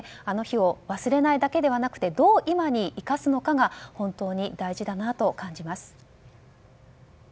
あの日を忘れないだけではなくてどう今に生かすのかが本当に大事だなと感じます。